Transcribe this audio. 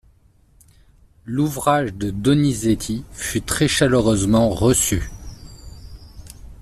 L'ouvrage de Donizetti fut très chaleureusement reçu.